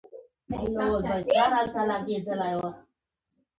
برعکس شرایط شریعت تابع وګرځوو.